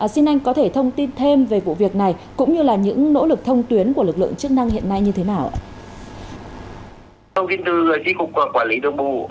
xin anh có thể thông tin thêm về vụ việc này cũng như là những nỗ lực thông tuyến của lực lượng chức năng hiện nay như thế nào ạ